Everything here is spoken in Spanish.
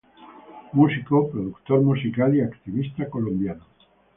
Músico, productor musical y activista colombiano.